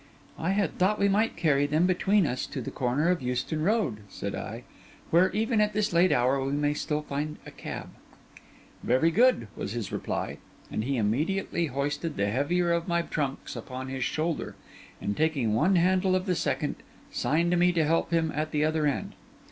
'I had thought we might carry them between us to the corner of Euston Road,' said I, 'where, even at this late hour, we may still find a cab.' 'Very good,' was his reply; and he immediately hoisted the heavier of my trunks upon his shoulder, and taking one handle of the second, signed to me to help him at the other end.